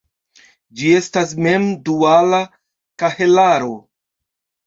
Ĝi estas mem-duala kahelaro.